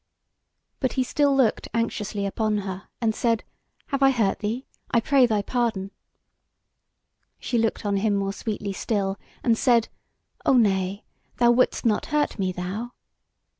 But he still looked anxiously upon her and said: "Have I hurt thee? I pray thy pardon." She looked on him more sweetly still, and said: "O nay; thou wouldst not hurt me, thou!"